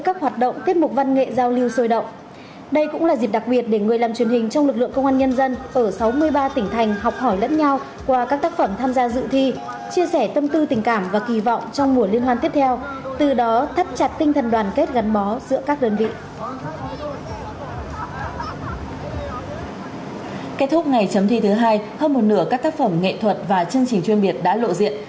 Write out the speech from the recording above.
kết thúc ngày chấm thi thứ hai hơn một nửa các tác phẩm nghệ thuật và chương trình chuyên biệt đã lộ diện